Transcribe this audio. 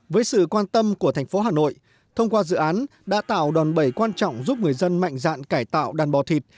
với sự quan tâm của thành phố hà nội thông qua dự án đã tạo đòn bẩy quan trọng giúp người dân mạnh dạn cải tạo đàn bò thịt